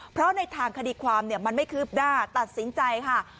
เพราะในทางคดีความมันไม่คืบหน้าตัดสินใจค่ะ